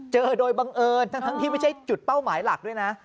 เจอโดยบังเอิญทั้งที่ไม่ใช่จุดเป้าหมายหลักด้วยนะ